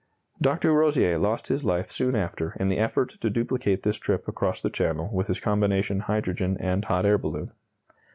De Rozier lost his life soon after in the effort to duplicate this trip across the Channel with his combination hydrogen and hot air balloon.